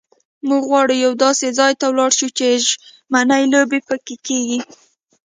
موږ غواړو یوه داسې ځای ته ولاړ شو چې ژمنۍ لوبې پکښې کېږي.